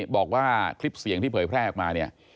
บอกว่าคลิปเสียงที่เผยแพร่ออกมาเนี่ย